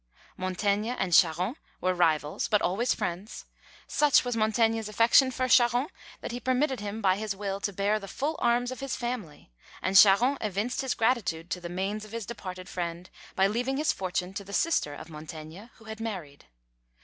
Montaigne and Charron were rivals, but always friends; such was Montaigne's affection for Charron, that he permitted him by his will to bear the full arms of his family; and Charron evinced his gratitude to the manes of his departed friend, by leaving his fortune to the sister of Montaigne, who had married.